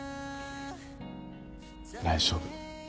大丈夫。